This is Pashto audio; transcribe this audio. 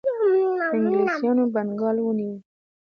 انګلیسانو بنګال ونیو.